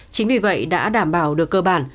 chính vì vậy đã đảm bảo được cơ bản